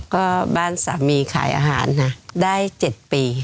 ก็บ้านสามีขายอาหารนะได้๗ปี